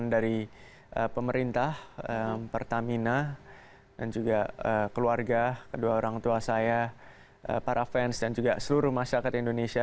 dari pemerintah pertamina dan juga keluarga kedua orang tua saya para fans dan juga seluruh masyarakat indonesia